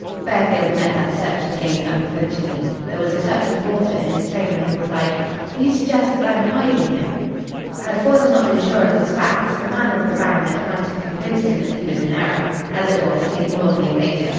Fairfield met that searching gaze unflinchingly. There was a touch of hauteur in his tone when he replied, "Do you suggest that I am hiding him?" Had Foyle not been sure of his facts the manner of the baronet might have convinced him that he was in error. As it was, he ignored the evasion.